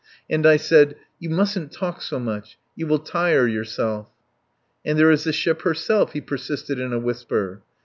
And I said: "You mustn't talk so much. You will tire yourself." "And there is the ship herself," he persisted in a whisper.